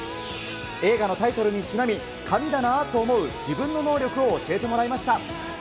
映画のタイトルにちなみ、神だなぁと思う自分の能力を教えてもらいました。